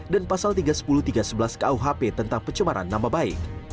pasal tiga ratus sepuluh tiga ratus sebelas kuhp tentang pencemaran nama baik